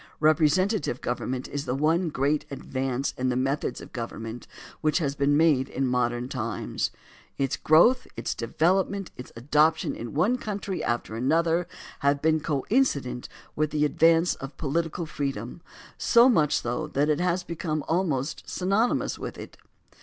Representative government is the one great advance in the methods of government which has been made in modern times. Its growth, its development, its adoption in one coimtry after another have been coincident with the advance of political freedom, so much so that it has become almost sjniony mous with it.